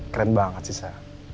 keren banget sih sa